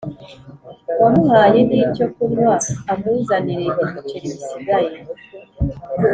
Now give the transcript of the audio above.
wamuhaye n'icyo kunywa amuzanire ibiceri bisigaye